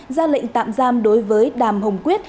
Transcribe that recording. ra lệnh tạm giam đối với đàm hồng quyết